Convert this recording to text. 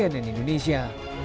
tim liputan cnn indonesia